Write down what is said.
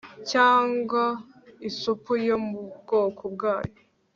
cyangwa isupu yo mu bwoko bwayo